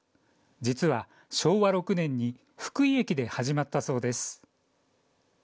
実は昭和６年に福井駅で始まったそうです。